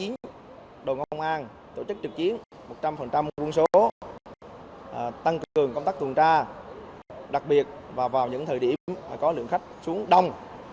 ngôn ngang tổ chức trực chiến một trăm linh quân số tăng cường công tác tuần tra đặc biệt và vào những thời điểm có lượng khách xuống đông